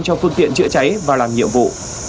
cho phương tiện chữa cháy và làm nhiệm vụ